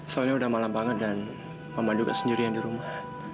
soalnya udah malam banget dan mama juga sendirian di rumah